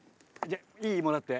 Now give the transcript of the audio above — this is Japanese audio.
いい？もらって。